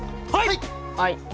はい！